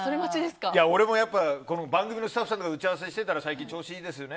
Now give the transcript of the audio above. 俺も番組のスタッフさんとかと打ち合わせしてたら最近調子いいですよね